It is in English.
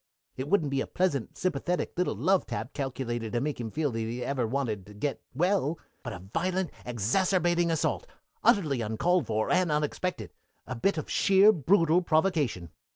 It wouldn't be a pleasant, sympathetic little love tap calculated to make him feel that he never even wanted to get well, but a violent, exacerbating assault; utterly uncalled for and unexpected; a bit of sheer, brutal provocation.